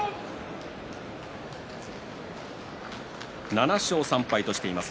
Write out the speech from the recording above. ７勝３敗としています